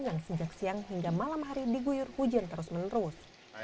yang sejak siang hingga malam hari diguyur hujan terus menerus